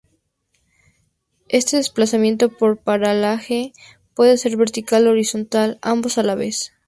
Este desplazamiento por paralaje puede ser vertical, horizontal o ambos a la vez.